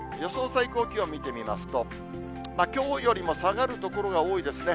最高気温見てみますと、きょうよりも下がる所が多いですね。